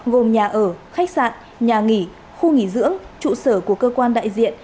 gồm nhà ở khách sạn nhà nghỉ khu nghỉ dưỡng trụ sở của cơ quan đại diện